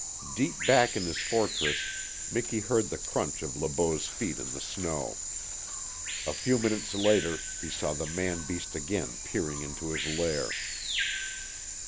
Deep back in his fortress, Miki heard the crunch of Le Beau's feet in the snow. A few minutes later he saw the man beast again peering into his lair.